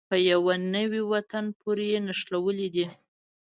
په يوه نوي وطن پورې یې نښلولې دي.